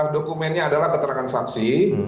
dokumennya adalah keterangan saksi